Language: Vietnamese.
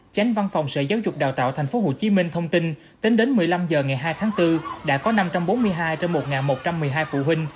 chánh văn phòng sở giáo dục đào tạo tp hcm thông tin tính đến một mươi năm h ngày hai tháng bốn đã có năm trăm bốn mươi hai trong một một trăm một mươi hai phụ huynh